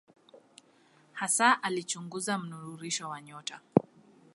Hasa alichunguza mnururisho wa nyota.